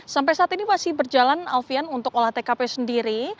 sampai saat ini masih berjalan alfian untuk olah tkp sendiri